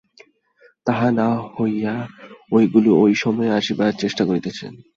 তাহা না হইয়া ঐগুলি ঐ সময়েই আসিবার চেষ্টা করিতেছে।